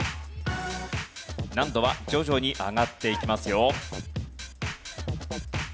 難度は徐々に上がっていきますよ。